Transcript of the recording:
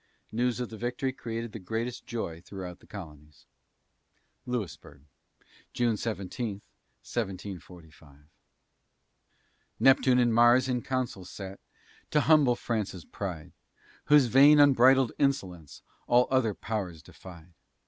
News of the victory created the greatest joy throughout the colonies. LOUISBURG [June 17, 1745] Neptune and Mars in Council sate To humble France's pride, Whose vain unbridled insolence All other Powers defied.